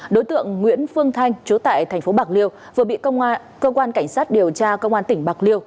đối tượng nguyễn phương thanh chú tại thành phố bạc liêu vừa bị cơ quan cảnh sát điều tra cơ quan tỉnh bạc liêu